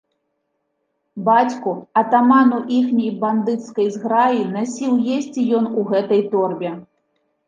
Бацьку, атаману іхняй бандыцкай зграі, насіў есці ён у гэтай торбе.